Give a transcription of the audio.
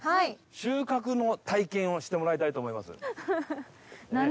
収穫の体験をしてもらいたいと思います。